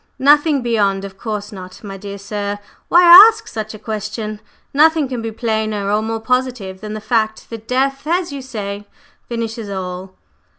"Nothing beyond? Of course not! My dear sir, why ask such a question? Nothing can be plainer or more positive than the fact that death, as you say, finishes all."